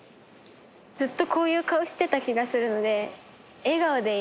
ずっとこういう顔してた気がするので。